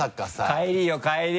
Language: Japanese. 帰りよ帰り。